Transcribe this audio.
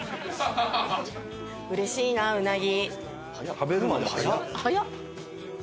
嬉しいなうなぎ。